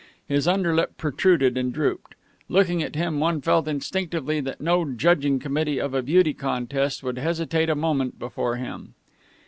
His underlip protruded and drooped. Looking at him, one felt instinctively that no judging committee of a beauty contest would hesitate a moment before him.